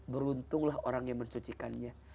beruntunglah orang yang mencucikannya